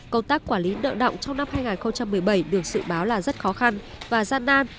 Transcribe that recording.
công tác quản lý nợ động trong năm hai nghìn một mươi bảy được dự báo là rất khó khăn và gian nan